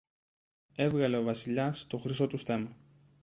Έβγαλε ο Βασιλιάς το χρυσό του στέμμα